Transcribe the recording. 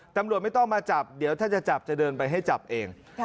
ตำรวจไม่ต้องมาจับเดี๋ยวถ้าจะจับจะเดินไปให้จับเอง